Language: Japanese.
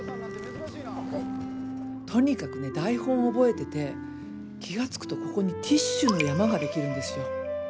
とにかくね台本覚えてて気が付くとここにティッシュの山ができるんですよ。